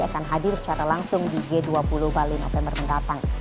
akan hadir secara langsung di g dua puluh bali november mendatang